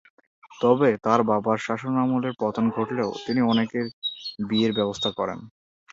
তবে তার বাবার শাসনামলের পতন ঘটলে তিনি অনেকের বিয়ের ব্যবস্থা করেন।